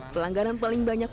pelanggaran paling banyak